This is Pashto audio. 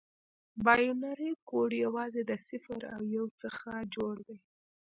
بایونري کوډ یوازې د صفر او یو څخه جوړ دی.